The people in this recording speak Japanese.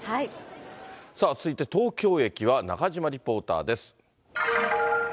さあ、続いて東京駅は中島リポーターです。